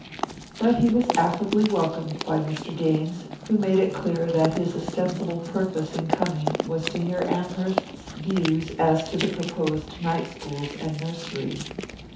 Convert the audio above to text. But he was affably welcomed by Mr. Gaines, who made it clear that his ostensible purpose in coming was to hear Amherst's views as to the proposed night schools and nursery.